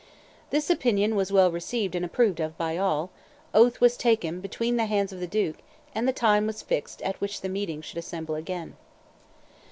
This opinion was well received and approved of by all: oath was taken between the hands of the duke, and the time was fixed at which the meeting should assemble again."